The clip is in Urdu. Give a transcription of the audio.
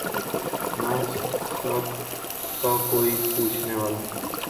نہ ساکھ کا کوئی پوچھنے والا ہے۔